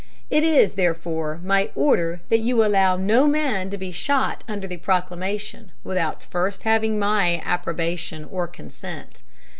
It is, therefore, my order that you allow no man to be shot under the proclamation, without first having my approbation or consent.